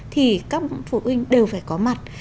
thì các phụ huynh đều phải có mặt